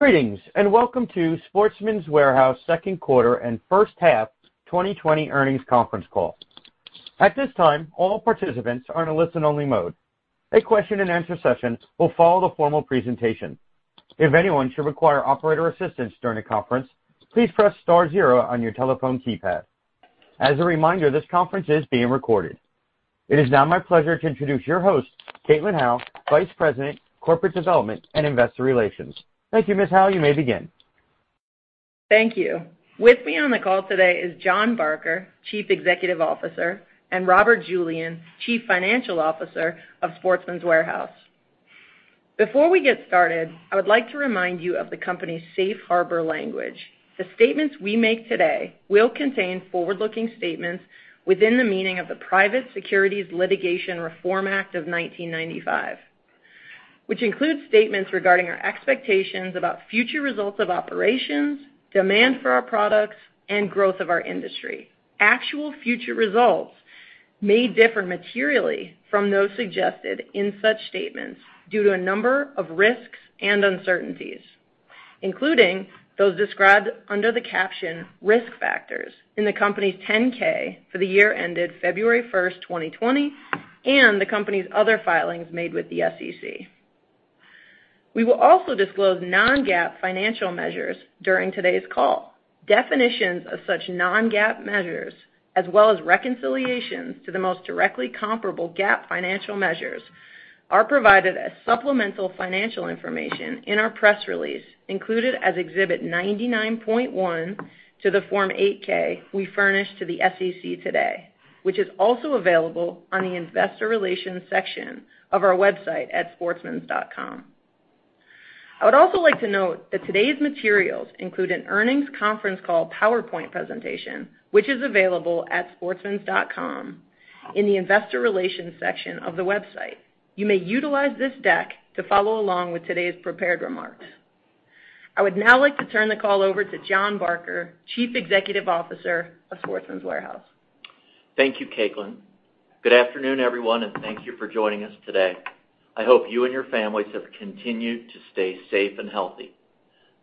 Greetings, and welcome to Sportsman's Warehouse second quarter and first half 2020 earnings conference call. At this time, all participants are in a listen-only mode. A question and answer session will follow the formal presentation. If anyone should require operator assistance during the conference, please press star zero on your telephone keypad. As a reminder, this conference is being recorded. It is now my pleasure to introduce your host, Caitlin Howe, Vice President, Corporate Development and Investor Relations. Thank you, Ms. Howe. You may begin. Thank you. With me on the call today is Jon Barker, Chief Executive Officer, and Robert Julian, Chief Financial Officer of Sportsman's Warehouse. Before we get started, I would like to remind you of the company's safe harbor language. The statements we make today will contain forward-looking statements within the meaning of the Private Securities Litigation Reform Act of 1995, which includes statements regarding our expectations about future results of operations, demand for our products, and growth of our industry. Actual future results may differ materially from those suggested in such statements due to a number of risks and uncertainties, including those described under the caption Risk Factors in the company's 10-K for the year ended February 1st, 2020, and the company's other filings made with the SEC. We will also disclose non-GAAP financial measures during today's call. Definitions of such non-GAAP measures, as well as reconciliations to the most directly comparable GAAP financial measures, are provided as supplemental financial information in our press release included as Exhibit 99.1 to the Form 8-K we furnished to the SEC today, which is also available on the investor relations section of our website at sportsmans.com. I would also like to note that today's materials include an earnings conference call PowerPoint presentation, which is available at sportsmans.com in the investor relations section of the website. You may utilize this deck to follow along with today's prepared remarks. I would now like to turn the call over to Jon Barker, Chief Executive Officer of Sportsman's Warehouse. Thank you, Caitlin. Good afternoon, everyone, and thank you for joining us today. I hope you and your families have continued to stay safe and healthy.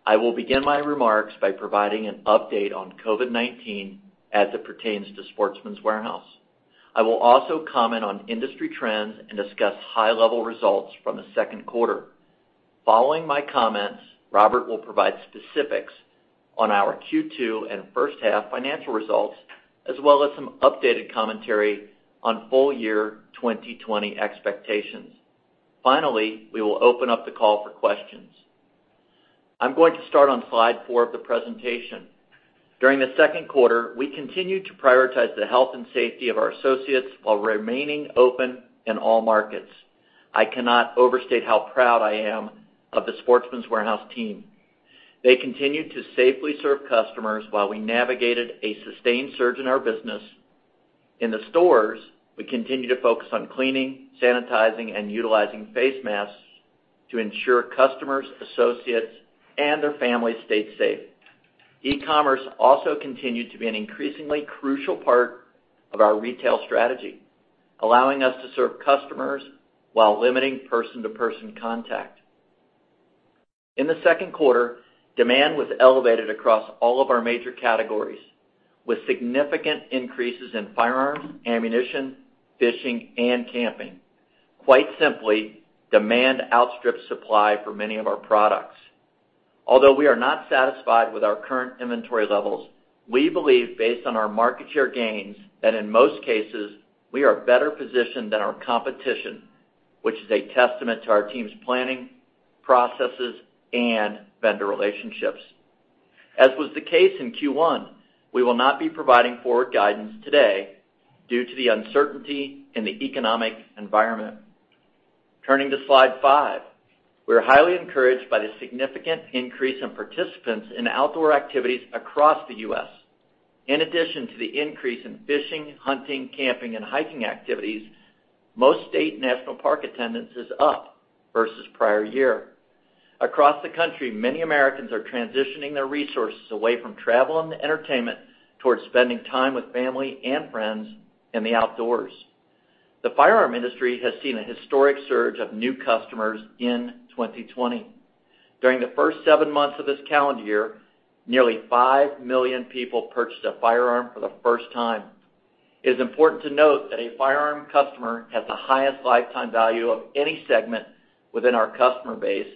I will begin my remarks by providing an update on COVID-19 as it pertains to Sportsman's Warehouse. I will also comment on industry trends and discuss high-level results from the second quarter. Following my comments, Robert will provide specifics on our Q2 and first-half financial results, as well as some updated commentary on full-year 2020 expectations. Finally, we will open up the call for questions. I'm going to start on slide four of the presentation. During the second quarter, we continued to prioritize the health and safety of our associates while remaining open in all markets. I cannot overstate how proud I am of the Sportsman's Warehouse team. They continued to safely serve customers while we navigated a sustained surge in our business. In the stores, we continued to focus on cleaning, sanitizing, and utilizing face masks to ensure customers, associates, and their families stayed safe. E-commerce also continued to be an increasingly crucial part of our retail strategy, allowing us to serve customers while limiting person-to-person contact. In the second quarter, demand was elevated across all of our major categories, with significant increases in firearms, ammunition, fishing, and camping. Quite simply, demand outstripped supply for many of our products. Although we are not satisfied with our current inventory levels, we believe based on our market share gains that in most cases, we are better positioned than our competition, which is a testament to our team's planning, processes, and vendor relationships. As was the case in Q1, we will not be providing forward guidance today due to the uncertainty in the economic environment. Turning to slide five. We are highly encouraged by the significant increase in participants in outdoor activities across the U.S. In addition to the increase in fishing, hunting, camping, and hiking activities, most state and national park attendance is up versus prior year. Across the country, many Americans are transitioning their resources away from travel and entertainment towards spending time with family and friends in the outdoors. The firearm industry has seen a historic surge of new customers in 2020. During the first seven months of this calendar year, nearly 5 million people purchased a firearm for the first time. It is important to note that a firearm customer has the highest lifetime value of any segment within our customer base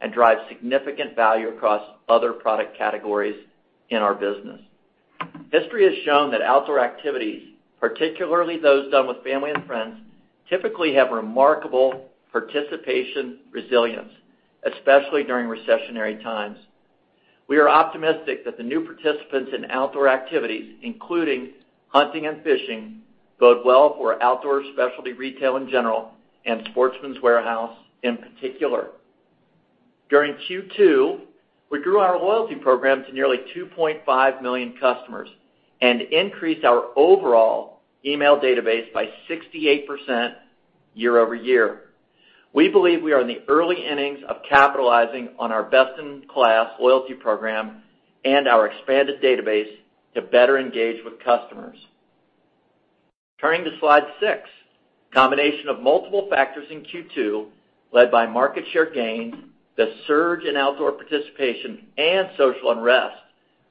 and drives significant value across other product categories in our business. History has shown that outdoor activities, particularly those done with family and friends, typically have remarkable participation resilience, especially during recessionary times. We are optimistic that the new participants in outdoor activities, including hunting and fishing, bode well for outdoor specialty retail in general and Sportsman's Warehouse in particular. During Q2, we grew our loyalty program to nearly 2.5 million customers and increased our overall email database by 68% year over year. We believe we are in the early innings of capitalizing on our best-in-class loyalty program and our expanded database to better engage with customers. Turning to slide six. Combination of multiple factors in Q2, led by market share gains, the surge in outdoor participation and social unrest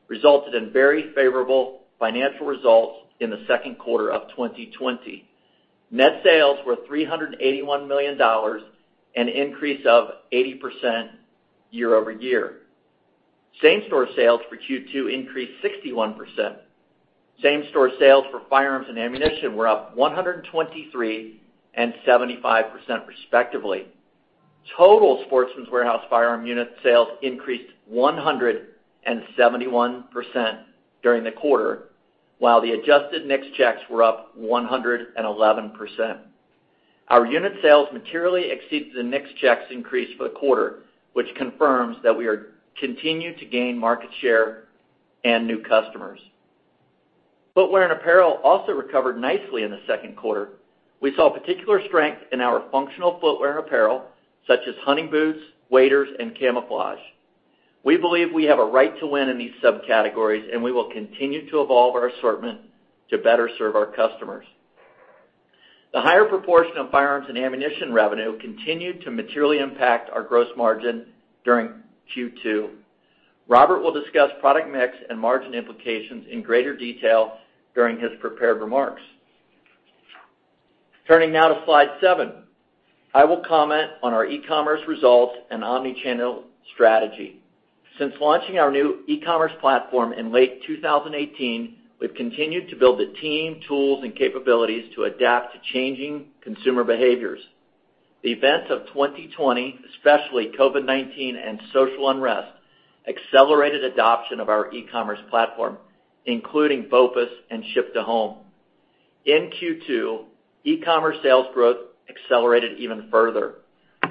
resulted in very favorable financial results in the second quarter of 2020. Net sales were $381 million, an increase of 80% year over year. same-store sales for Q2 increased 61%. same-store sales for firearms and ammunition were up 123% and 75%, respectively. Total Sportsman's Warehouse firearm unit sales increased 171% during the quarter, while the adjusted NICS checks were up 111%. Our unit sales materially exceeds the NICS checks increase for the quarter, which confirms that we are continue to gain market share and new customers. Footwear and apparel also recovered nicely in the second quarter. We saw particular strength in our functional footwear apparel such as hunting boots, waders, and camouflage. We believe we have a right to win in these subcategories, and we will continue to evolve our assortment to better serve our customers. The higher proportion of firearms and ammunition revenue continued to materially impact our gross margin during Q2. Robert will discuss product mix and margin implications in greater detail during his prepared remarks. Turning now to slide seven. I will comment on our e-commerce results and omnichannel strategy. Since launching our new e-commerce platform in late 2018, we've continued to build the team, tools, and capabilities to adapt to changing consumer behaviors. The events of 2020, especially COVID-19 and social unrest, accelerated adoption of our e-commerce platform, including BOPUS and ship-to-home. In Q2, e-commerce sales growth accelerated even further.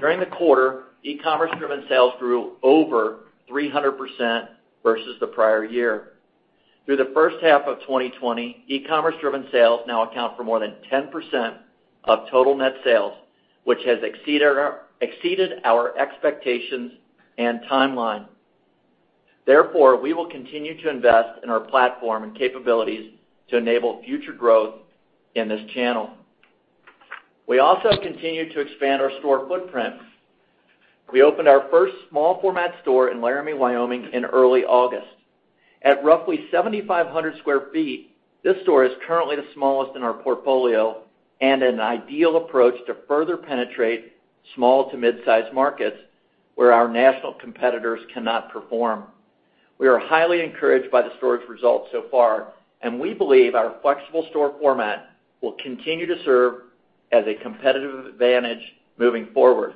During the quarter, e-commerce-driven sales grew over 300% versus the prior year. Through the first half of 2020, e-commerce-driven sales now account for more than 10% of total net sales, which has exceeded our expectations and timeline. We will continue to invest in our platform and capabilities to enable future growth in this channel. We also continue to expand our store footprint. We opened our first small format store in Laramie, Wyoming in early August. At roughly 7,500 sq ft, this store is currently the smallest in our portfolio and an ideal approach to further penetrate small to mid-size markets where our national competitors cannot perform. We are highly encouraged by the store's results so far, and we believe our flexible store format will continue to serve as a competitive advantage moving forward.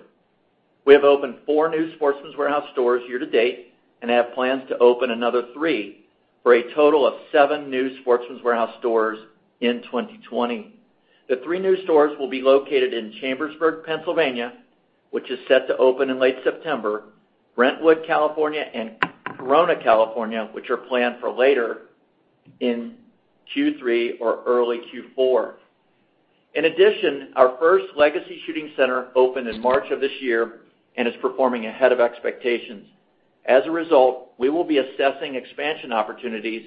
We have opened four new Sportsman's Warehouse stores year to date and have plans to open another three for a total of seven new Sportsman's Warehouse stores in 2020. The three new stores will be located in Chambersburg, Pennsylvania, which is set to open in late September, Brentwood, California, and Corona, California, which are planned for later in Q3 or early Q4. In addition, our first Legacy Shooting Center opened in March of this year and is performing ahead of expectations. As a result, we will be assessing expansion opportunities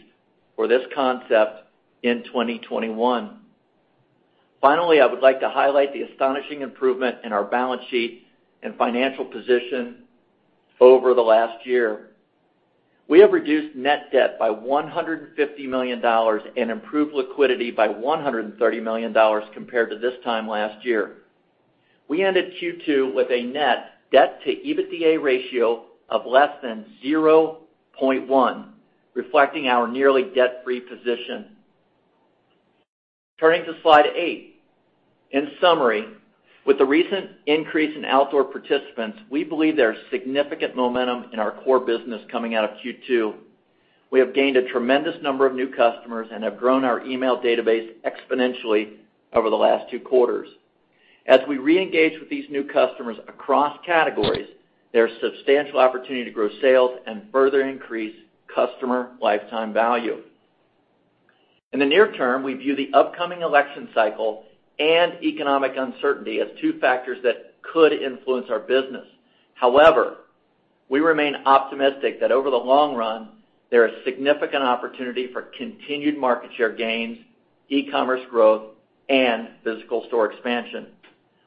for this concept in 2021. Finally, I would like to highlight the astonishing improvement in our balance sheet and financial position over the last year. We have reduced net debt by $150 million and improved liquidity by $130 million compared to this time last year. We ended Q2 with a net debt to EBITDA ratio of less than 0.1, reflecting our nearly debt-free position. Turning to slide eight. In summary, with the recent increase in outdoor participants, we believe there is significant momentum in our core business coming out of Q2. We have gained a tremendous number of new customers and have grown our email database exponentially over the last two quarters. As we reengage with these new customers across categories, there's substantial opportunity to grow sales and further increase customer lifetime value. In the near term, we view the upcoming election cycle and economic uncertainty as two factors that could influence our business. However, we remain optimistic that over the long run, there is significant opportunity for continued market share gains, e-commerce growth, and physical store expansion.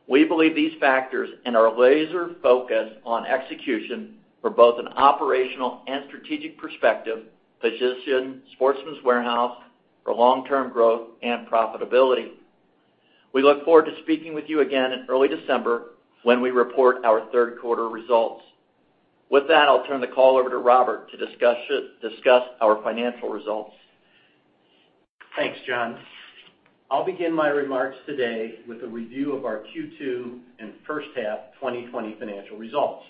We believe these factors and our laser focus on execution for both an operational and strategic perspective, position Sportsman's Warehouse for long-term growth and profitability. We look forward to speaking with you again in early December when we report our third quarter results. With that, I'll turn the call over to Robert to discuss our financial results. Thanks, Jon. I'll begin my remarks today with a review of our Q2 and first half 2020 financial results.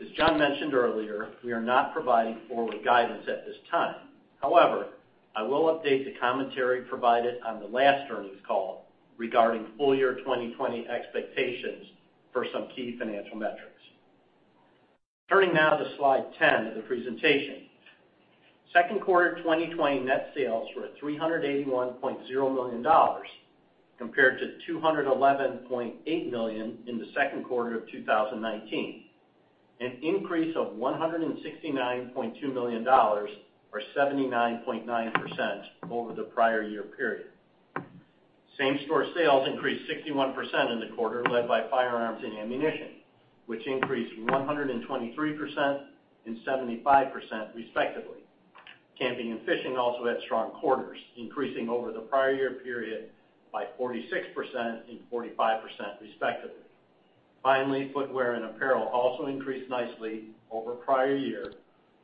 As Jon mentioned earlier, we are not providing forward guidance at this time. I will update the commentary provided on the last earnings call regarding full year 2020 expectations for some key financial metrics. Turning now to slide 10 of the presentation. Second quarter 2020 net sales were at $381.0 million, compared to $211.8 million in the second quarter of 2019, an increase of $169.2 million or 79.9% over the prior year period. Same-store sales increased 61% in the quarter led by firearms and ammunition, which increased 123% and 75%, respectively. Camping and fishing also had strong quarters, increasing over the prior year period by 46% and 45%, respectively. Footwear and apparel also increased nicely over prior year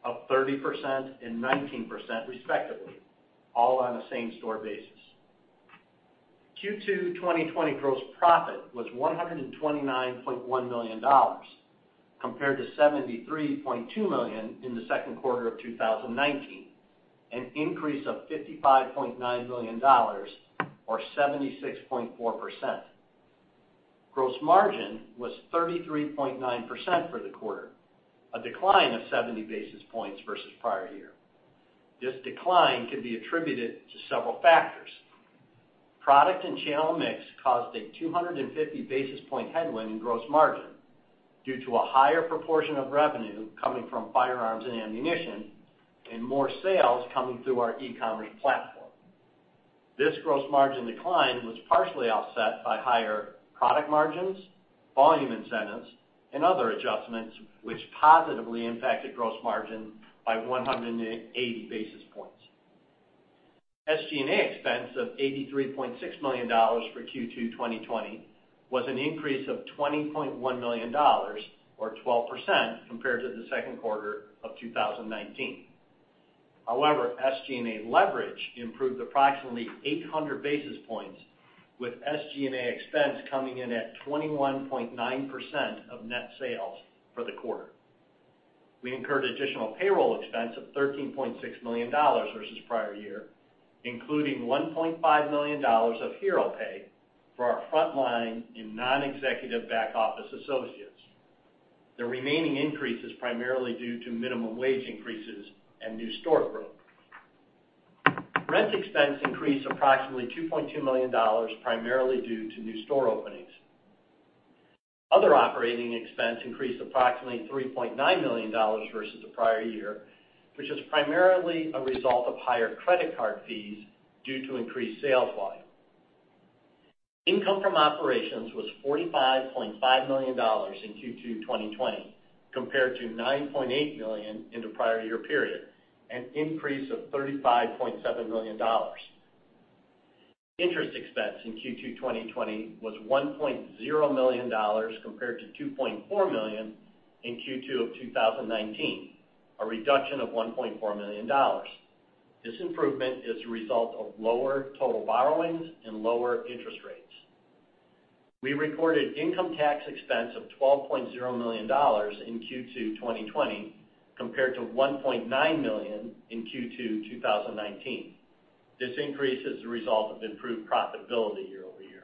of 30% and 19%, respectively, all on a same-store basis. Q2 2020 gross profit was $129.1 million compared to $73.2 million in the second quarter of 2019, an increase of $55.9 million or 76.4%. Gross margin was 33.9% for the quarter, a decline of 70 basis points versus prior year. This decline can be attributed to several factors. Product and channel mix caused a 250 basis point headwind in gross margin due to a higher proportion of revenue coming from firearms and ammunition and more sales coming through our e-commerce platform. This gross margin decline was partially offset by higher product margins, volume incentives, and other adjustments which positively impacted gross margin by 180 basis points. SG&A expense of $83.6 million for Q2 2020 was an increase of $20.1 million or 12% compared to the second quarter of 2019. SG&A leverage improved approximately 800 basis points with SG&A expense coming in at 21.9% of net sales for the quarter. We incurred additional payroll expense of $13.6 million versus prior year, including $1.5 million of hero pay for our frontline and non-executive back office associates. The remaining increase is primarily due to minimum wage increases and new store growth. Rent expense increased approximately $2.2 million, primarily due to new store openings. Other operating expense increased approximately $3.9 million versus the prior year, which is primarily a result of higher credit card fees due to increased sales volume. Income from operations was $45.5 million in Q2 2020 compared to $9.8 million in the prior year period, an increase of $35.7 million. Interest expense in Q2 2020 was $1.0 million compared to $2.4 million in Q2 of 2019, a reduction of $1.4 million. This improvement is a result of lower total borrowings and lower interest rates. We recorded income tax expense of $12.0 million in Q2 2020 compared to $1.9 million in Q2 2019. This increase is the result of improved profitability year-over-year.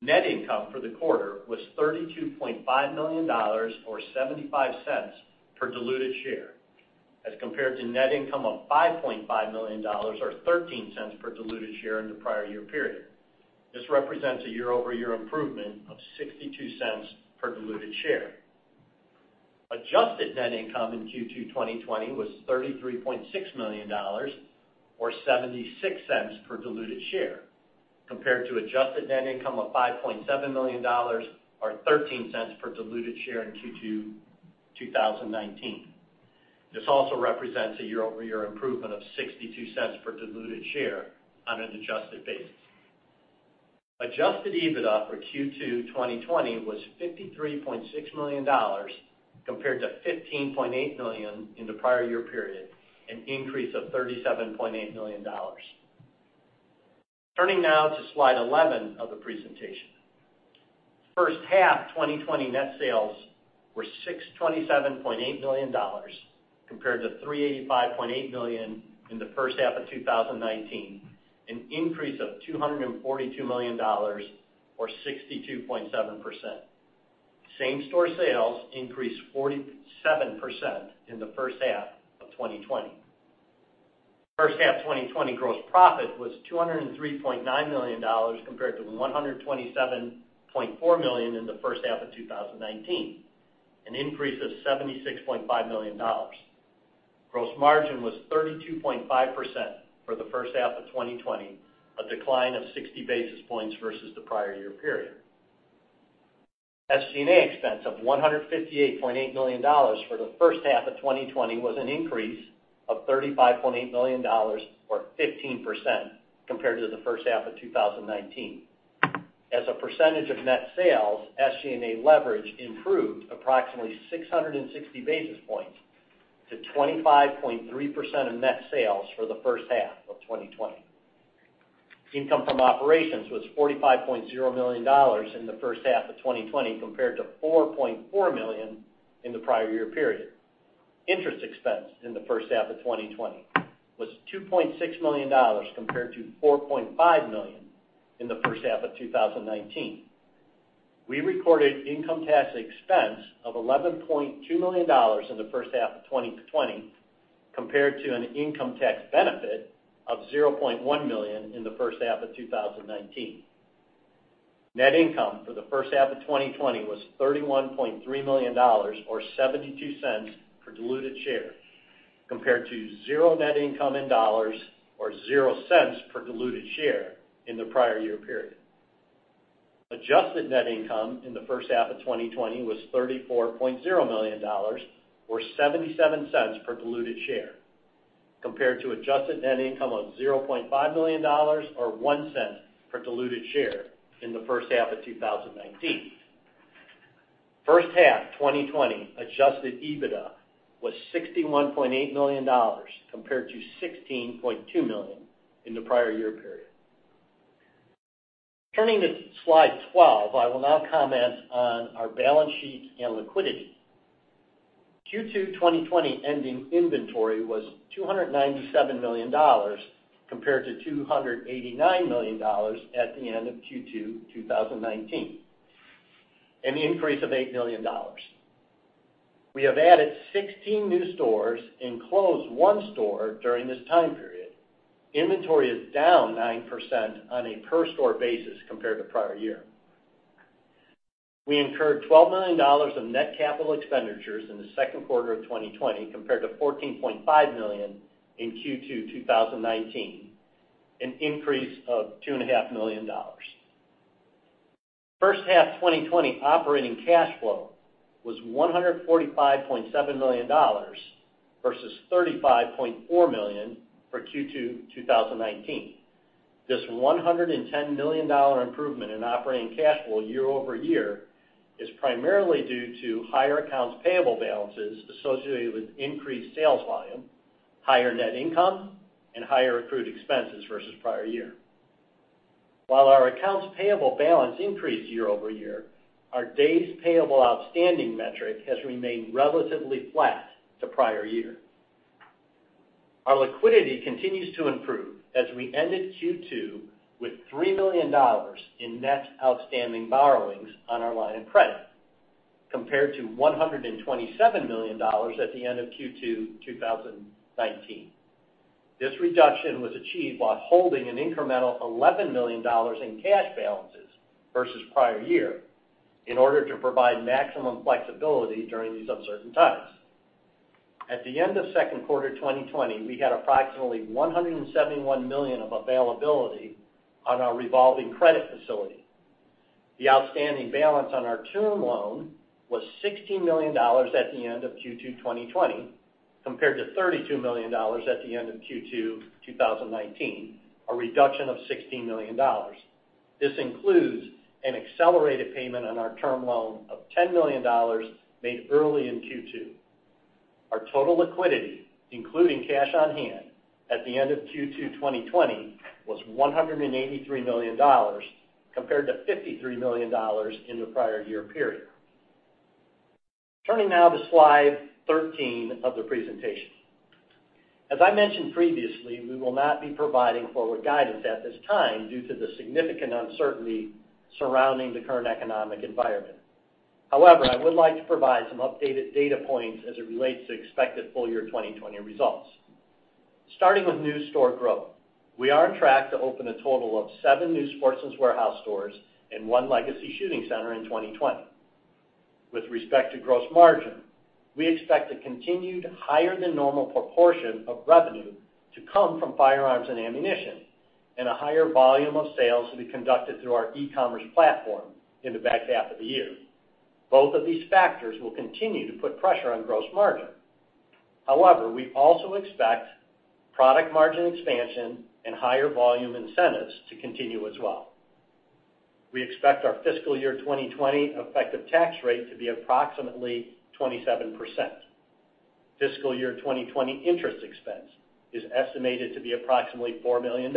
Net income for the quarter was $32.5 million, or $0.75 per diluted share, as compared to net income of $5.5 million or $0.13 per diluted share in the prior year period. This represents a year-over-year improvement of $0.62 per diluted share. Adjusted net income in Q2 2020 was $33.6 million or $0.76 per diluted share, compared to adjusted net income of $5.7 million or $0.13 per diluted share in Q2 2019. This also represents a year-over-year improvement of $0.62 per diluted share on an adjusted basis. Adjusted EBITDA for Q2 2020 was $53.6 million compared to $15.8 million in the prior year period, an increase of $37.8 million. Turning now to slide 11 of the presentation. First half 2020 net sales were $627.8 million compared to $385.8 million in the first half of 2019, an increase of $242 million or 62.7%. Same-store sales increased 47% in the first half of 2020. First half 2020 gross profit was $203.9 million compared to $127.4 million in the first half of 2019, an increase of $76.5 million. Gross margin was 32.5% for the first half of 2020, a decline of 60 basis points versus the prior year period. SG&A expense of $158.8 million for the first half of 2020 was an increase of $35.8 million or 15% compared to the first half of 2019. As a percentage of net sales, SG&A leverage improved approximately 660 basis points to 25.3% of net sales for the first half of 2020. Income from operations was $45.0 million in the first half of 2020 compared to $4.4 million in the prior year period. Interest expense in the first half of 2020 was $2.6 million compared to $4.5 million in the first half of 2019. We recorded income tax expense of $11.2 million in the first half of 2020 compared to an income tax benefit of $0.1 million in the first half of 2019. Net income for the first half of 2020 was $31.3 million, or $0.72 per diluted share, compared to zero net income in dollars or $0.00 per diluted share in the prior year period. Adjusted net income in the first half of 2020 was $34.0 million, or $0.77 per diluted share, compared to adjusted net income of $0.5 million, or $0.01 per diluted share in the first half of 2019. First half 2020 adjusted EBITDA was $61.8 million, compared to $16.2 million in the prior year period. Turning to slide 12, I will now comment on our balance sheet and liquidity. Q2 2020 ending inventory was $297 million, compared to $289 million at the end of Q2 2019, an increase of $8 million. We have added 16 new stores and closed one store during this time period. Inventory is down 9% on a per store basis compared to prior year. We incurred $12 million of net capital expenditures in the second quarter of 2020, compared to $14.5 million in Q2 2019, an increase of $2.5 million. First half 2020 operating cash flow was $145.7 million versus $35.4 million for Q2 2019. This $110 million improvement in operating cash flow year-over-year is primarily due to higher accounts payable balances associated with increased sales volume, higher net income, and higher accrued expenses versus prior year. While our accounts payable balance increased year-over-year, our days payable outstanding metric has remained relatively flat to prior year. Our liquidity continues to improve as we ended Q2 with $3 million in net outstanding borrowings on our line of credit, compared to $127 million at the end of Q2 2019. This reduction was achieved while holding an incremental $11 million in cash balances versus prior year in order to provide maximum flexibility during these uncertain times. At the end of second quarter 2020, we had approximately $171 million of availability on our revolving credit facility. The outstanding balance on our term loan was $16 million at the end of Q2 2020, compared to $32 million at the end of Q2 2019, a reduction of $16 million. This includes an accelerated payment on our term loan of $10 million made early in Q2. Our total liquidity, including cash on hand at the end of Q2 2020, was $183 million, compared to $53 million in the prior year period. Turning now to slide 13 of the presentation. As I mentioned previously, we will not be providing forward guidance at this time due to the significant uncertainty surrounding the current economic environment. However, I would like to provide some updated data points as it relates to expected full year 2020 results. Starting with new store growth, we are on track to open a total of seven new Sportsman's Warehouse stores and one Legacy Shooting Center in 2020. With respect to gross margin, we expect a continued higher than normal proportion of revenue to come from firearms and ammunition, and a higher volume of sales to be conducted through our e-commerce platform in the back half of the year. Both of these factors will continue to put pressure on gross margin. However, we also expect product margin expansion and higher volume incentives to continue as well. We expect our fiscal year 2020 effective tax rate to be approximately 27%. Fiscal year 2020 interest expense is estimated to be approximately $4 million.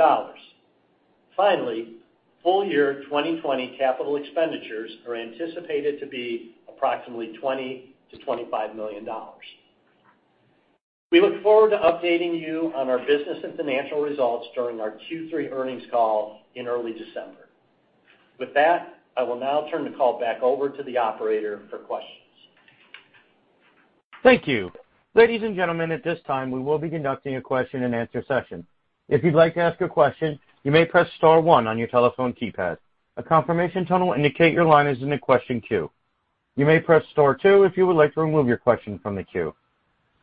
Finally, full year 2020 capital expenditures are anticipated to be approximately $20 million-$25 million. We look forward to updating you on our business and financial results during our Q3 earnings call in early December. With that, I will now turn the call back over to the operator for questions.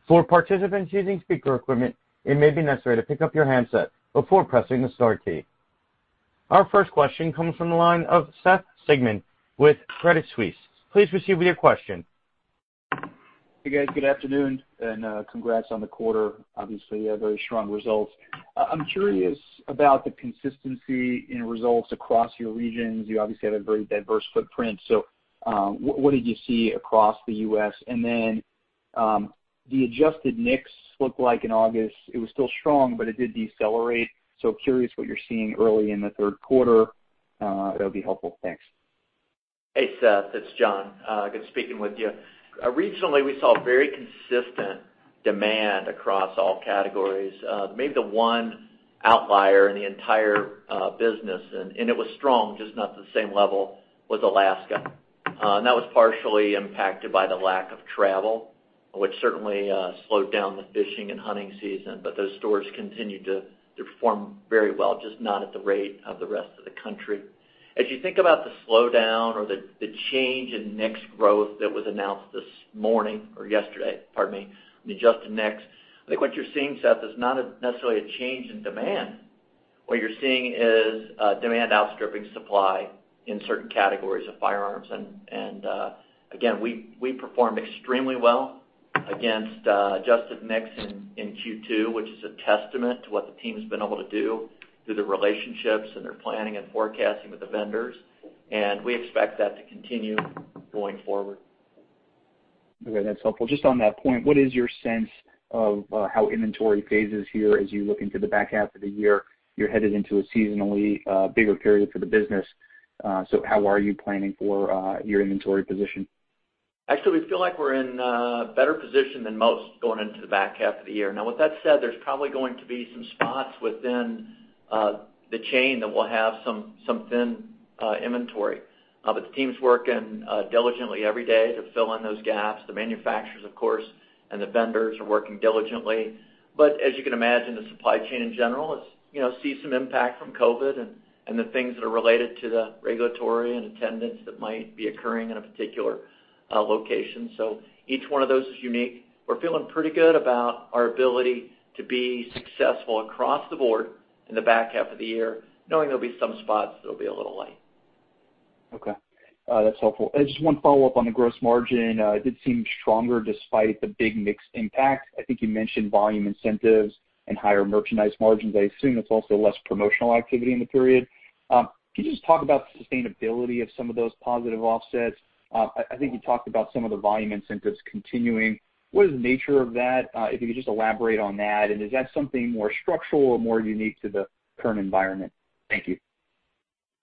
Our first question comes from the line of Seth Sigman with Credit Suisse. Please proceed with your question. Hey, guys. Good afternoon, and congrats on the quarter. Obviously, very strong results. I'm curious about the consistency in results across your regions. You obviously have a very diverse footprint. What did you see across the U.S.? The adjusted NICS looked like in August it was still strong, but it did decelerate. Curious what you're seeing early in the third quarter. That'll be helpful. Thanks. Hey, Seth, it's Jon. Good speaking with you. Regionally, we saw very consistent demand across all categories. Maybe the one outlier in the entire business, and it was strong, just not to the same level, was Alaska. That was partially impacted by the lack of travel, which certainly slowed down the fishing and hunting season. Those stores continued to perform very well, just not at the rate of the rest of the country. As you think about the slowdown or the change in NICS growth that was announced this morning or yesterday, pardon me, the adjusted NICS, I think what you're seeing, Seth, is not necessarily a change in demand. What you're seeing is demand outstripping supply in certain categories of firearms. Again, we performed extremely well against adjusted NICS in Q2, which is a testament to what the team has been able to do through the relationships and their planning and forecasting with the vendors. We expect that to continue going forward. Okay, that's helpful. Just on that point, what is your sense of how inventory phases here as you look into the back half of the year? You're headed into a seasonally bigger period for the business. How are you planning for your inventory position? Actually, we feel like we're in a better position than most going into the back half of the year. Now, with that said, there's probably going to be some spots within the chain that will have some thin inventory. The team's working diligently every day to fill in those gaps. The manufacturers, of course, and the vendors are working diligently. As you can imagine, the supply chain in general sees some impact from COVID and the things that are related to the regulatory and attendance that might be occurring in a particular location. Each one of those is unique. We're feeling pretty good about our ability to be successful across the board in the back half of the year, knowing there'll be some spots that'll be a little light. Okay. That's helpful. Just one follow-up on the gross margin. It did seem stronger despite the big mix impact. I think you mentioned volume incentives and higher merchandise margins. I assume it's also less promotional activity in the period. Can you just talk about the sustainability of some of those positive offsets? I think you talked about some of the volume incentives continuing. What is the nature of that? If you could just elaborate on that, and is that something more structural or more unique to the current environment? Thank you.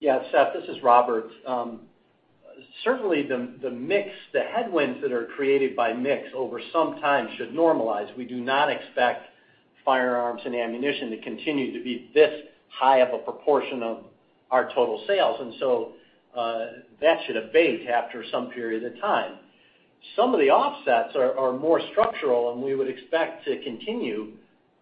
Yeah, Seth, this is Robert. Certainly, the headwinds that are created by mix over some time should normalize. We do not expect firearms and ammunition to continue to be this high of a proportion of our total sales. That should abate after some period of time. Some of the offsets are more structural, and we would expect to continue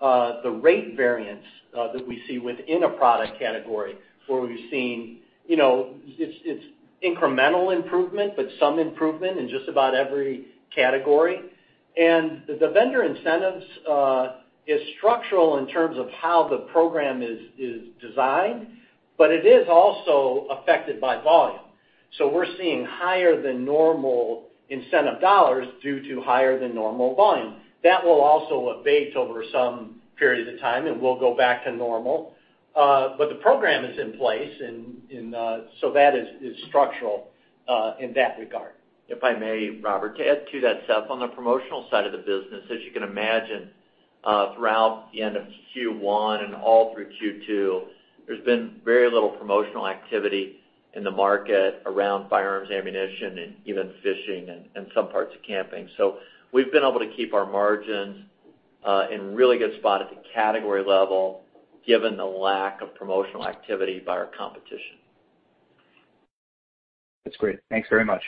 the rate variance that we see within a product category where we've seen its incremental improvement, but some improvement in just about every category. The vendor incentives is structural in terms of how the program is designed, but it is also affected by volume. We're seeing higher than normal incentive dollars due to higher than normal volume. That will also abate over some period of time, and we'll go back to normal. The program is in place, and so that is structural in that regard. If I may, Robert, to add to that, Seth, on the promotional side of the business, as you can imagine, throughout the end of Q1 and all through Q2, there's been very little promotional activity in the market around firearms ammunition and even fishing and some parts of camping. We've been able to keep our margins in really good spot at the category level, given the lack of promotional activity by our competition. That's great. Thanks very much.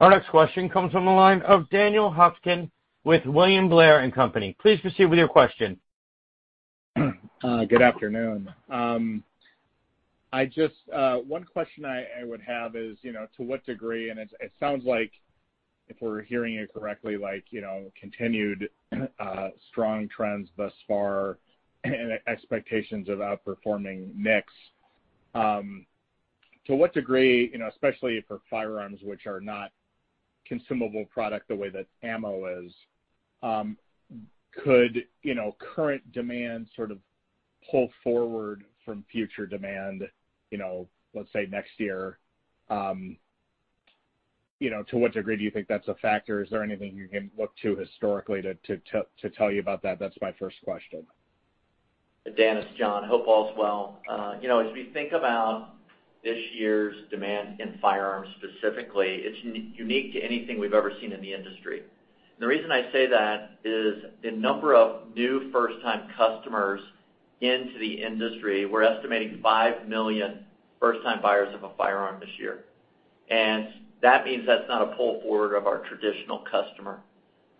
Our next question comes from the line of Daniel Hofkin with William Blair & Company. Please proceed with your question. Good afternoon. One question I would have is to what degree, and it sounds like if we're hearing it correctly, continued strong trends thus far and expectations of outperforming mix. To what degree, especially for firearms, which are not consumable product the way that ammo is, could current demand sort of pull forward from future demand, let's say, next year? To what degree do you think that's a factor? Is there anything you can look to historically to tell you about that? That's my first question. Dan, it's Jon. Hope all is well. As we think about this year's demand in firearms specifically, it's unique to anything we've ever seen in the industry. The reason I say that is the number of new first-time customers into the industry, we're estimating 5 million first-time buyers of a firearm this year. That means that's not a pull forward of our traditional customer.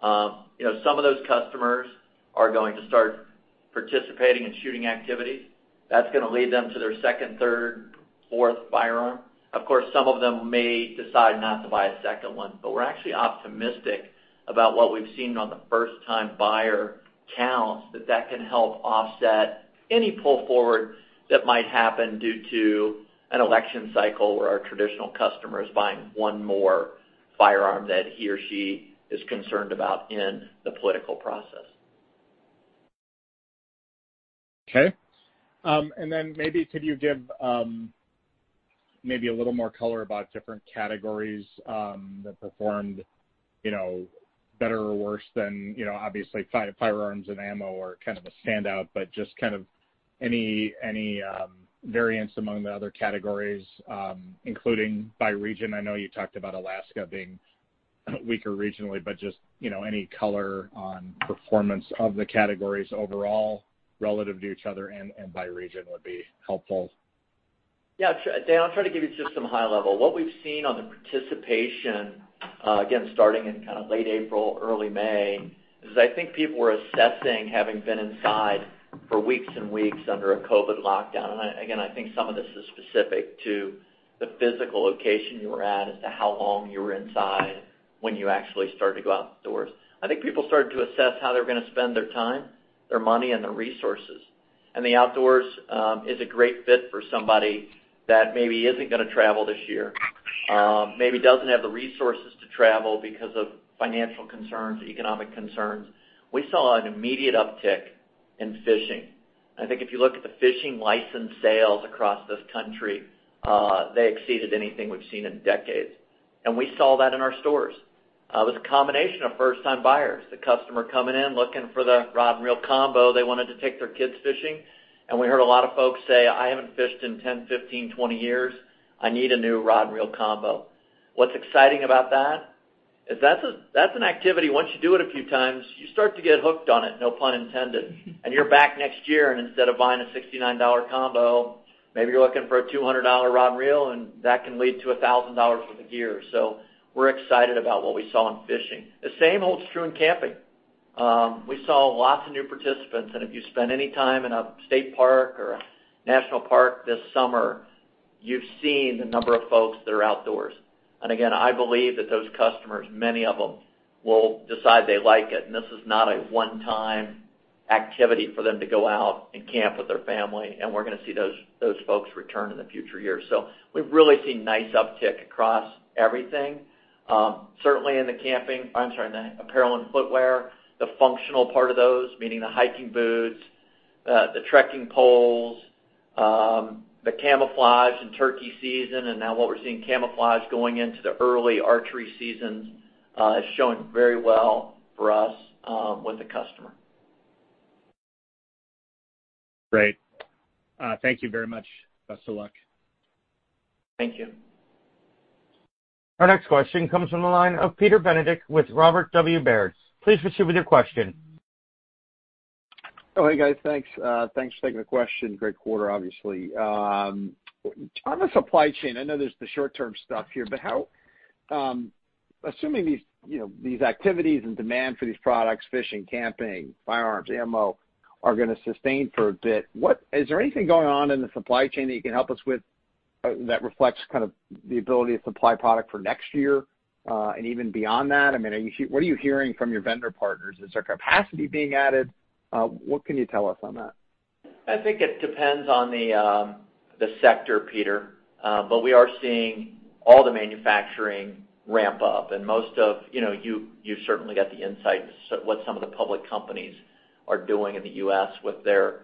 Some of those customers are going to start participating in shooting activities. That's going to lead them to their second, third, fourth firearm. Of course, some of them may decide not to buy a second one. We're actually optimistic about what we've seen on the first-time buyer counts that that can help offset any pull forward that might happen due to an election cycle where our traditional customer is buying one more firearm that he or she is concerned about in the political process. Okay. Then maybe could you give maybe a little more color about different categories that performed better or worse than obviously firearms and ammo are kind of a standout, just kind of any variance among the other categories including by region. I know you talked about Alaska being weaker regionally, just any color on performance of the categories overall relative to each other and by region would be helpful. Yeah. Dan, I'll try to give you just some high level. What we've seen on the participation, again, starting in kind of late April, early May, is I think people were assessing, having been inside for weeks and weeks under a COVID lockdown, and again, I think some of this is specific to the physical location you were at as to how long you were inside when you actually started to go outdoors. I think people started to assess how they were going to spend their time, their money, and their resources. The outdoors is a great fit for somebody that maybe isn't going to travel this year, maybe doesn't have the resources to travel because of financial concerns or economic concerns. We saw an immediate uptick in fishing. I think if you look at the fishing license sales across this country, they exceeded anything we've seen in decades. We saw that in our stores. It was a combination of first-time buyers, the customer coming in looking for the rod and reel combo. They wanted to take their kids fishing. We heard a lot of folks say, "I haven't fished in 10, 15, 20 years. I need a new rod and reel combo." What's exciting about that is that's an activity. Once you do it a few times, you start to get hooked on it, no pun intended. You're back next year, and instead of buying a $69 combo, maybe you're looking for a $200 rod and reel, and that can lead to $1,000 worth of gear. We're excited about what we saw in fishing. The same holds true in camping. We saw lots of new participants, If you spend any time in a state park or a national park this summer, you've seen the number of folks that are outdoors. Again, I believe that those customers, many of them will decide they like it, and this is not a one-time activity for them to go out and camp with their family. We're going to see those folks return in the future years. We've really seen nice uptick across everything. Certainly in the apparel and footwear, the functional part of those, meaning the hiking boots, the trekking poles, the camouflage in turkey season, Now what we're seeing camouflage going into the early archery seasons, is showing very well for us with the customer. Great. Thank you very much. Best of luck. Thank you. Our next question comes from the line of Peter Benedict with Robert W. Baird. Please proceed with your question. Oh, hey, guys. Thanks. Thanks for taking the question. Great quarter, obviously. On the supply chain, I know there's the short-term stuff here, but assuming these activities and demand for these products, fishing, camping, firearms, ammo, are going to sustain for a bit, is there anything going on in the supply chain that you can help us with that reflects kind of the ability to supply product for next year, and even beyond that? What are you hearing from your vendor partners? Is there capacity being added? What can you tell us on that? I think it depends on the sector, Peter. We are seeing all the manufacturing ramp up. You certainly got the insights what some of the public companies are doing in the U.S. with their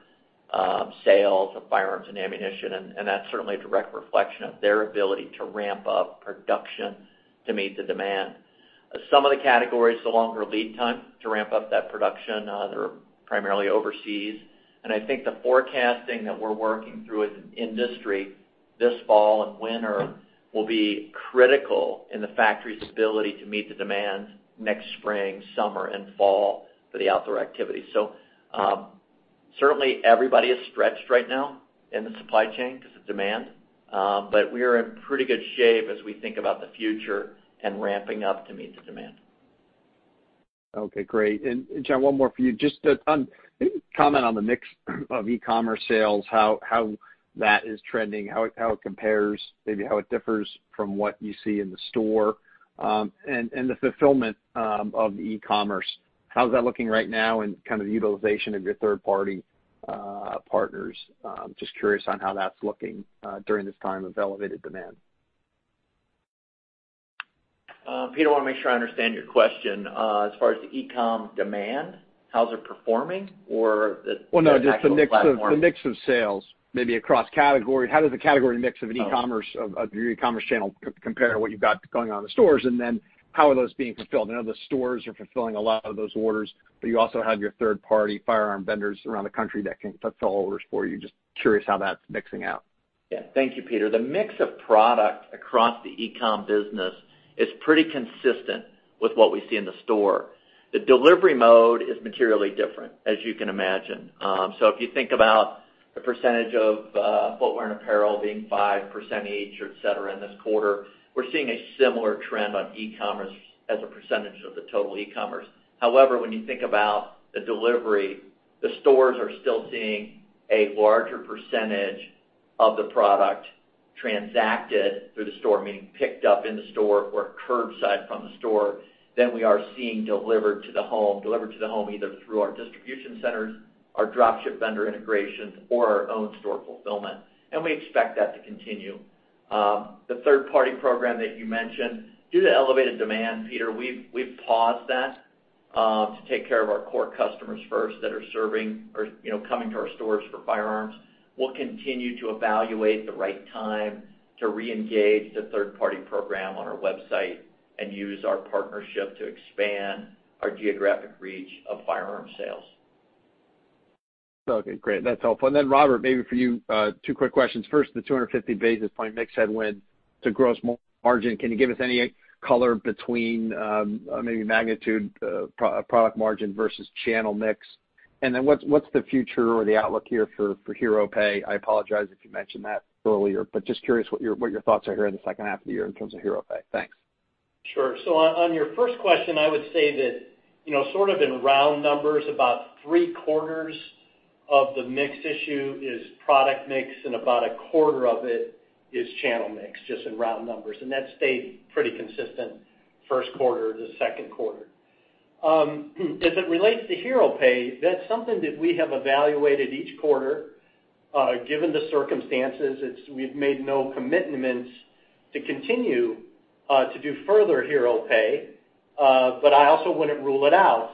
sales of firearms and ammunition, that's certainly a direct reflection of their ability to ramp up production to meet the demand. Some of the categories, the longer lead time to ramp up that production, they're primarily overseas. I think the forecasting that we're working through as an industry this fall and winter will be critical in the factory's ability to meet the demand next spring, summer, and fall for the outdoor activity. Certainly everybody is stretched right now in the supply chain because of demand. We are in pretty good shape as we think about the future and ramping up to meet the demand. Okay, great. Jon, one more for you. Just comment on the mix of e-commerce sales, how that is trending, how it compares, maybe how it differs from what you see in the store. The fulfillment of the e-commerce, how's that looking right now and kind of utilization of your third-party partners? Just curious on how that's looking during this time of elevated demand. Peter, I want to make sure I understand your question. As far as the e-com demand, how is it performing? Well, no, just the mix of sales, maybe across category. How does the category mix of your e-commerce channel compare to what you've got going on in the stores? Then how are those being fulfilled? I know the stores are fulfilling a lot of those orders, but you also have your third-party firearm vendors around the country that can fulfill orders for you. Just curious how that's mixing out. Yeah. Thank you, Peter. The mix of product across the e-com business is pretty consistent with what we see in the store. The delivery mode is materially different, as you can imagine. If you think about the percentage of footwear and apparel being 5% each, et cetera, in this quarter, we're seeing a similar trend on e-commerce as a percentage of the total e-commerce. However, when you think about the delivery, the stores are still seeing a larger percentage of the product transacted through the store, meaning picked up in the store or curbside from the store, than we are seeing delivered to the home, either through our distribution centers, our drop ship vendor integrations, or our own store fulfillment. We expect that to continue. The third-party program that you mentioned, due to elevated demand, Peter, we've paused that to take care of our core customers first that are coming to our stores for firearms. We'll continue to evaluate the right time to reengage the third-party program on our website and use our partnership to expand our geographic reach of firearm sales. Okay, great. That's helpful. Robert, maybe for you, two quick questions. First, the 250 basis point mix headwind to gross margin. Can you give us any color between maybe magnitude product margin versus channel mix? What's the future or the outlook here for Hero Pay? I apologize if you mentioned that earlier, but just curious what your thoughts are here in the second half of the year in terms of Hero Pay. Thanks. Sure. On your first question, I would say that sort of in round numbers, about three-quarters of the mix issue is product mix, and about a quarter of it is channel mix, just in round numbers. That stayed pretty consistent first quarter to second quarter. As it relates to Hero Pay, that's something that we have evaluated each quarter. Given the circumstances, we've made no commitments to continue to do further Hero Pay. I also wouldn't rule it out,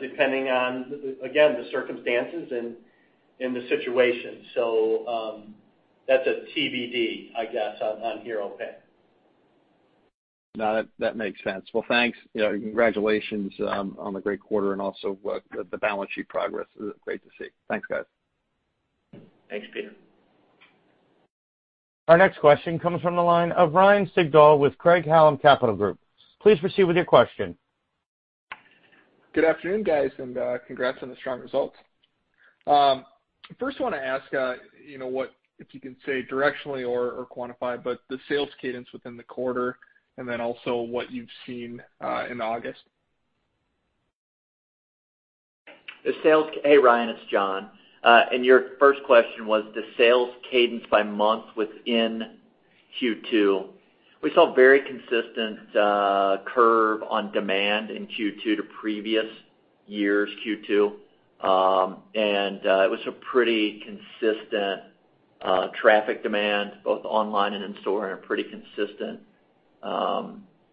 depending on, again, the circumstances and the situation. That's a TBD, I guess, on Hero Pay. No, that makes sense. Well, thanks. Congratulations on the great quarter and also the balance sheet progress. Great to see. Thanks, guys. Thanks, Peter. Our next question comes from the line of Ryan Sigdahl with Craig-Hallum Capital Group. Please proceed with your question. Good afternoon, guys, congrats on the strong results. First I want to ask if you can say directionally or quantify, but the sales cadence within the quarter and then also what you've seen in August? Hey, Ryan, it's Jon. Your first question was the sales cadence by month within Q2. We saw very consistent curve on demand in Q2 to previous year's Q2. It was a pretty consistent traffic demand, both online and in-store, and a pretty consistent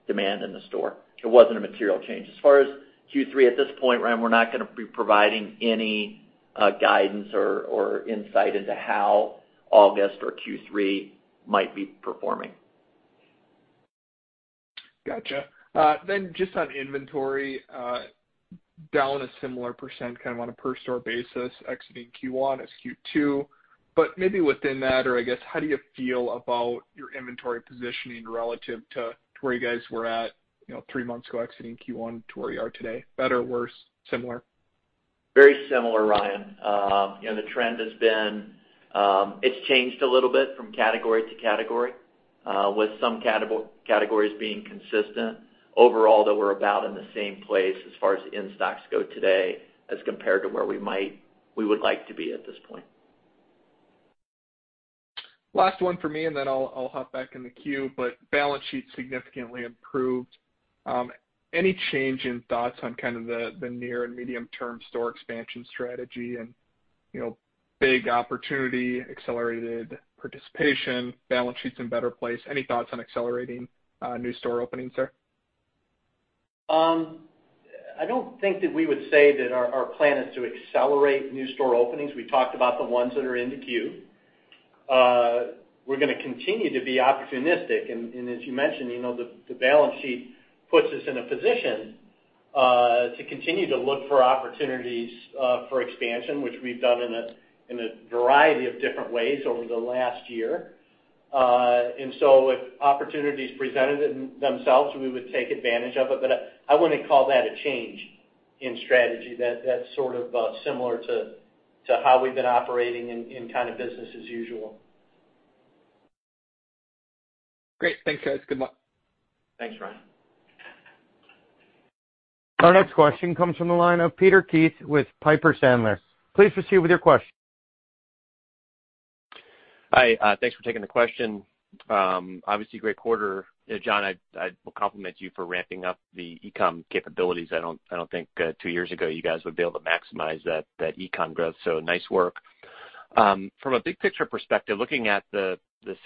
demand in the store. It wasn't a material change. As far as Q3 at this point, Ryan, we're not going to be providing any guidance or insight into how August or Q3 might be performing. Gotcha. Just on inventory, down a similar percent kind of on a per store basis exiting Q1 as Q2. Maybe within that, or I guess, how do you feel about your inventory positioning relative to where you guys were at three months ago exiting Q1 to where you are today? Better, worse, similar? Very similar, Ryan. It's changed a little bit from category to category, with some categories being consistent. Overall, though, we're about in the same place as far as in-stocks go today as compared to where we would like to be at this point. Last one for me, and then I'll hop back in the queue. Balance sheet significantly improved. Any change in thoughts on kind of the near and medium-term store expansion strategy and big opportunity, accelerated participation, balance sheet's in a better place. Any thoughts on accelerating new store openings there? I don't think that we would say that our plan is to accelerate new store openings. We talked about the ones that are in the queue. We're going to continue to be opportunistic. As you mentioned, the balance sheet puts us in a position to continue to look for opportunities for expansion, which we've done in a variety of different ways over the last year. If opportunities presented themselves, we would take advantage of it. I wouldn't call that a change in strategy. That's sort of similar to how we've been operating in kind of business as usual. Great. Thanks, guys. Good luck. Thanks, Ryan. Our next question comes from the line of Peter Keith with Piper Sandler. Please proceed with your question. Hi. Thanks for taking the question. Obviously great quarter. Jon, I will compliment you for ramping up the e-com capabilities. I don't think two years ago you guys would be able to maximize that e-com growth, so nice work. From a big picture perspective, looking at the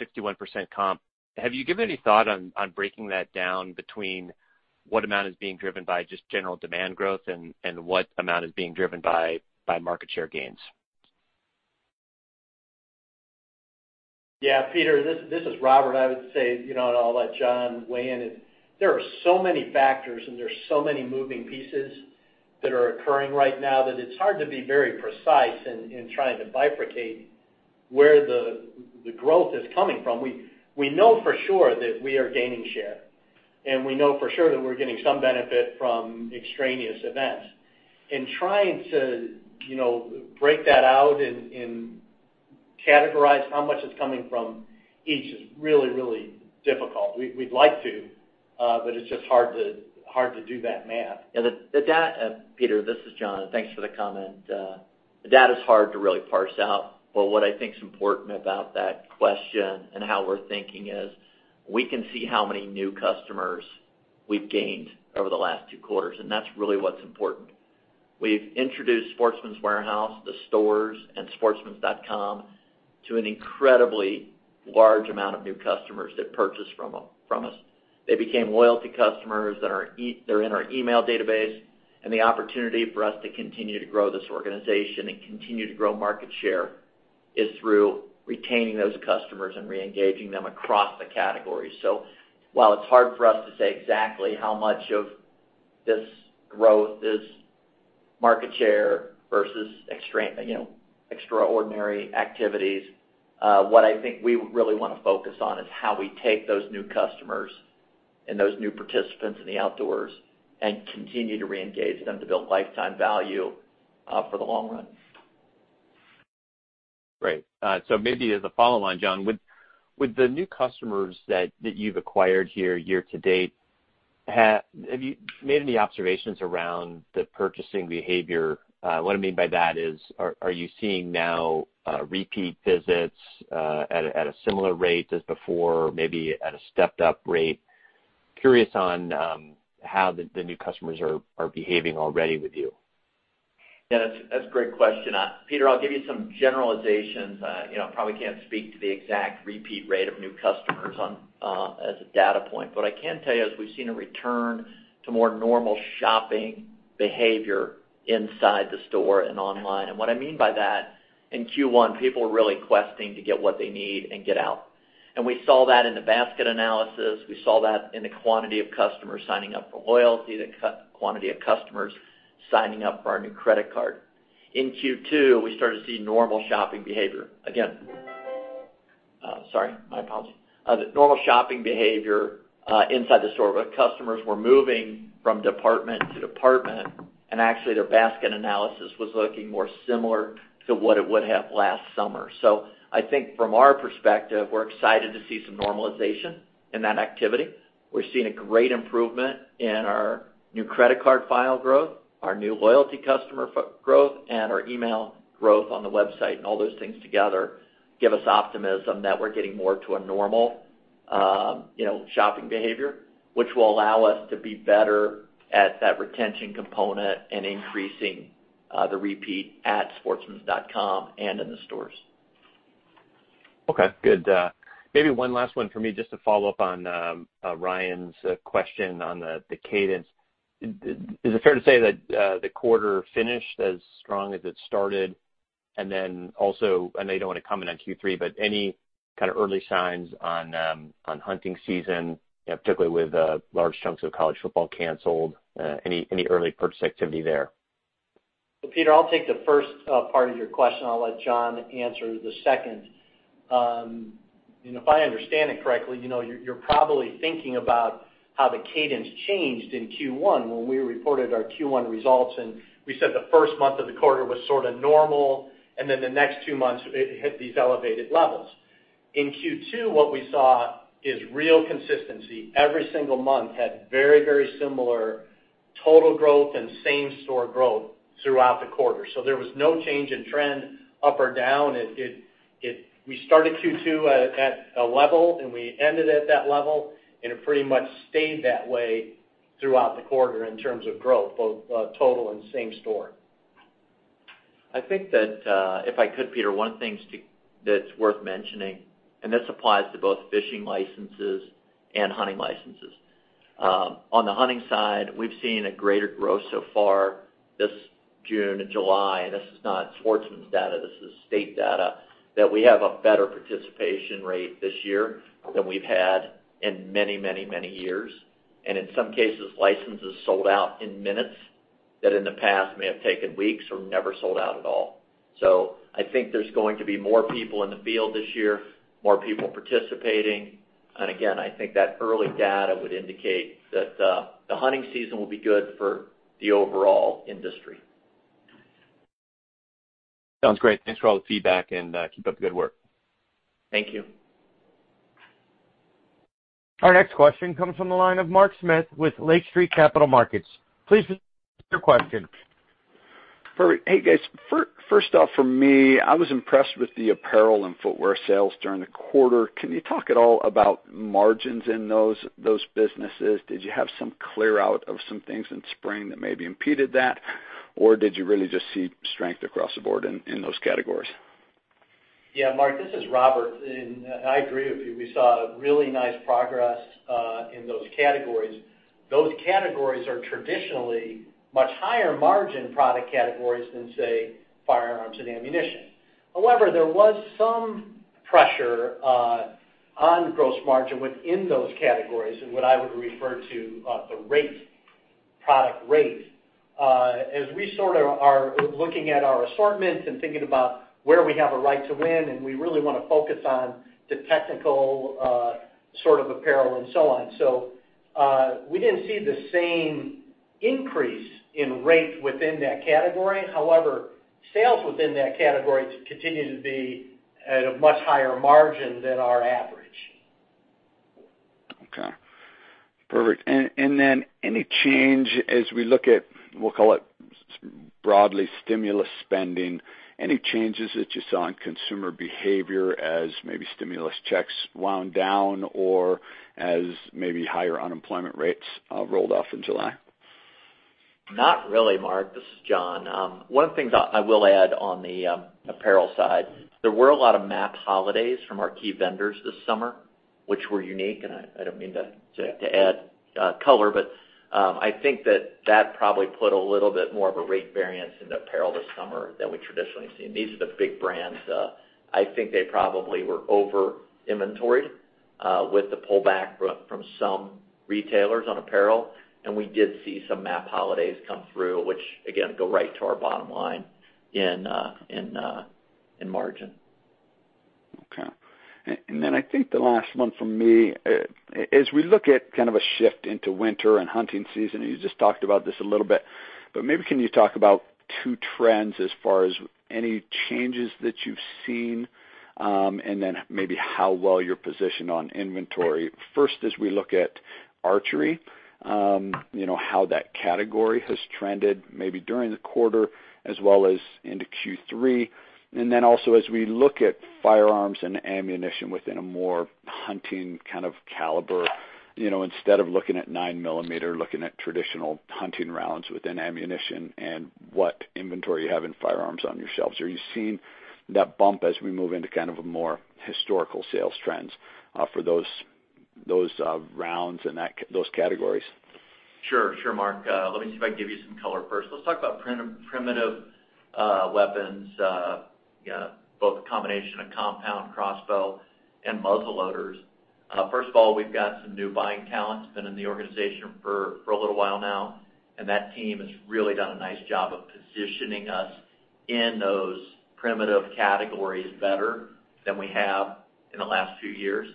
61% comp, have you given any thought on breaking that down between what amount is being driven by just general demand growth and what amount is being driven by market share gains? Peter, this is Robert. I would say, and I'll let Jon weigh in, there are so many factors and there's so many moving pieces that are occurring right now that it's hard to be very precise in trying to bifurcate where the growth is coming from. We know for sure that we are gaining share, and we know for sure that we're getting some benefit from extraneous events. In trying to break that out and categorize how much is coming from each is really difficult. We'd like to, but it's just hard to do that math. Peter, this is Jon. Thanks for the comment. The data's hard to really parse out, but what I think is important about that question and how we're thinking is we can see how many new customers we've gained over the last two quarters, and that's really what's important. We've introduced Sportsman's Warehouse, the stores, and sportsmans.com to an incredibly large amount of new customers that purchase from us. They became loyalty customers that are in our email database. The opportunity for us to continue to grow this organization and continue to grow market share is through retaining those customers and reengaging them across the categories. While it's hard for us to say exactly how much of this growth is market share versus extraordinary activities. What I think we really want to focus on is how we take those new customers and those new participants in the outdoors and continue to re-engage them to build lifetime value for the long run. Great. Maybe as a follow-on, Jon, with the new customers that you've acquired here year to date, have you made any observations around the purchasing behavior? What I mean by that is, are you seeing now repeat visits at a similar rate as before, maybe at a stepped-up rate? Curious on how the new customers are behaving already with you. Yeah, that's a great question. Peter, I'll give you some generalizations. I probably can't speak to the exact repeat rate of new customers as a data point. What I can tell you is we've seen a return to more normal shopping behavior inside the store and online. What I mean by that, in Q1, people were really questing to get what they need and get out. We saw that in the basket analysis, we saw that in the quantity of customers signing up for loyalty, the quantity of customers signing up for our new credit card. In Q2, we started to see normal shopping behavior again. Sorry, my apologies. The normal shopping behavior inside the store where customers were moving from department to department, and actually, their basket analysis was looking more similar to what it would have last summer. I think from our perspective, we're excited to see some normalization in that activity. We're seeing a great improvement in our new credit card file growth, our new loyalty customer growth, and our email growth on the website. All those things together give us optimism that we're getting more to a normal shopping behavior, which will allow us to be better at that retention component and increasing the repeat at sportsmans.com and in the stores. Okay, good. Maybe one last one for me, just to follow up on Ryan's question on the cadence. Is it fair to say that the quarter finished as strong as it started? Also, I know you don't want to comment on Q3, but any kind of early signs on hunting season, particularly with large chunks of college football canceled, any early purchase activity there? Peter, I'll take the first part of your question. I'll let Jon answer the second. If I understand it correctly, you're probably thinking about how the cadence changed in Q1 when we reported our Q1 results and we said the first month of the quarter was sort of normal, and then the next two months it hit these elevated levels. In Q2, what we saw is real consistency. Every single month had very similar total growth and same-store growth throughout the quarter. There was no change in trend up or down. We started Q2 at a level and we ended at that level, and it pretty much stayed that way throughout the quarter in terms of growth, both total and same store. I think that, if I could, Peter, one thing that's worth mentioning, and this applies to both fishing licenses and hunting licenses. On the hunting side, we've seen a greater growth so far this June and July, and this is not Sportsman's data, this is state data, that we have a better participation rate this year than we've had in many years. In some cases, licenses sold out in minutes that in the past may have taken weeks or never sold out at all. I think there's going to be more people in the field this year, more people participating. Again, I think that early data would indicate that the hunting season will be good for the overall industry. Sounds great. Thanks for all the feedback, and keep up the good work. Thank you. Our next question comes from the line of Mark Smith with Lake Street Capital Markets. Please proceed with your question. Hey, guys. First off for me, I was impressed with the apparel and footwear sales during the quarter. Can you talk at all about margins in those businesses? Did you have some clear out of some things in spring that maybe impeded that? Did you really just see strength across the board in those categories? Yeah, Mark, this is Robert, and I agree with you. We saw a really nice progress in those categories. Those categories are traditionally much higher margin product categories than, say, firearms and ammunition. However, there was some pressure on gross margin within those categories in what I would refer to as the rate, product rate. As we sort of are looking at our assortments and thinking about where we have a right to win, and we really want to focus on the technical sort of apparel and so on. We didn't see the same increase in rate within that category. However, sales within that category continue to be at a much higher margin than our average. Okay, perfect. Then any change as we look at, we'll call it broadly stimulus spending, any changes that you saw in consumer behavior as maybe stimulus checks wound down or as maybe higher unemployment rates rolled off in July? Not really, Mark. This is Jon. One of the things I will add on the apparel side, there were a lot of MAP holidays from our key vendors this summer, which were unique, and I don't mean to add color, but I think that that probably put a little bit more of a rate variance in apparel this summer than we traditionally see. These are the big brands. I think they probably were over-inventoried with the pullback from some retailers on apparel, and we did see some MAP holidays come through, which again, go right to our bottom line in margin. Okay. I think the last one from me, as we look at kind of a shift into winter and hunting season, you just talked about this a little bit, but maybe can you talk about two trends as far as any changes that you've seen, maybe how well you're positioned on inventory. First, as we look at archery, how that category has trended maybe during the quarter as well as into Q3, also as we look at firearms and ammunition within a more hunting kind of caliber, instead of looking at 9 millimeter, looking at traditional hunting rounds within ammunition and what inventory you have in firearms on your shelves. Are you seeing that bump as we move into kind of a more historical sales trends for those rounds and those categories? Sure, Mark. Let me see if I can give you some color first. Let's talk about primitive weapons, both a combination of compound crossbow and muzzleloaders. First of all, we've got some new buying talent that's been in the organization for a little while now, and that team has really done a nice job of positioning us in those primitive categories better than we have in the last few years.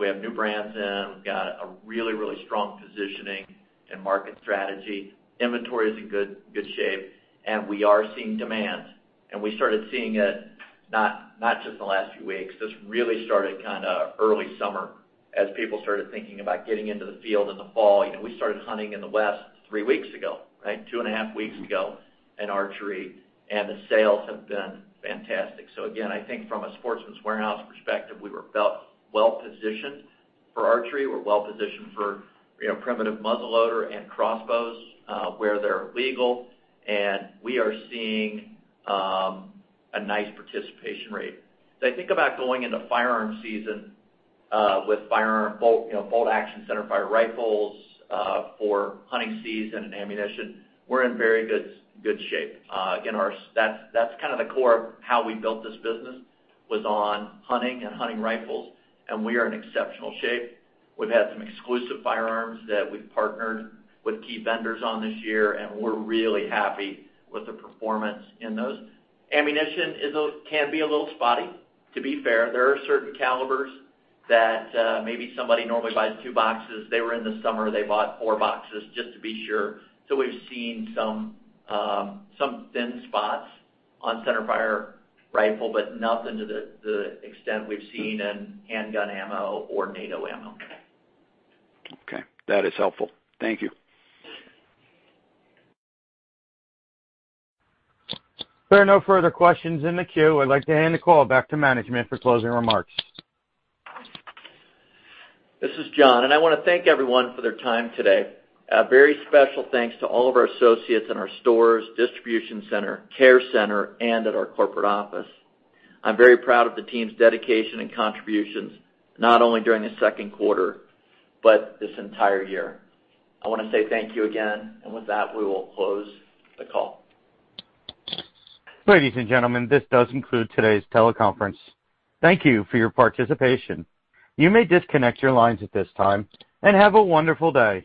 We have new brands in. We've got a really strong positioning and market strategy. Inventory is in good shape, and we are seeing demand. We started seeing it not just in the last few weeks. This really started kind of early summer as people started thinking about getting into the field in the fall. We started hunting in the West three weeks ago, right? Two and a half weeks ago in archery, and the sales have been fantastic. Again, I think from a Sportsman's Warehouse perspective, we were well-positioned for archery. We're well-positioned for primitive muzzleloader and crossbows where they're legal, and we are seeing a nice participation rate. As I think about going into firearm season with firearm bolt-action centerfire rifles for hunting season and ammunition, we're in very good shape. Again, that's kind of the core of how we built this business was on hunting and hunting rifles, and we are in exceptional shape. We've had some exclusive firearms that we've partnered with key vendors on this year, and we're really happy with the performance in those. Ammunition can be a little spotty, to be fair. There are certain calibers that maybe somebody normally buys two boxes. They were in the summer, they bought four boxes just to be sure. We've seen some thin spots on centerfire rifle, but nothing to the extent we've seen in handgun ammo or NATO ammo. Okay. That is helpful. Thank you. There are no further questions in the queue. I'd like to hand the call back to management for closing remarks. This is Jon, I want to thank everyone for their time today. A very special thanks to all of our associates in our stores, distribution center, care center, and at our corporate office. I'm very proud of the team's dedication and contributions, not only during the second quarter but this entire year. I want to say thank you again, with that, we will close the call. Ladies and gentlemen, this does conclude today's teleconference. Thank you for your participation. You may disconnect your lines at this time, and have a wonderful day